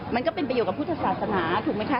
มันก็เป็นประโยชนกับพุทธศาสนาถูกไหมคะ